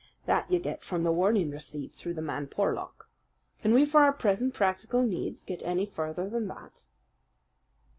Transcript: That you get from the warning received through the man Porlock. Can we for our present practical needs get any further than that?"